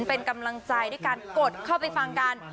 เป็นกำลังใจด้วยการกดเข้าไปฟังกัน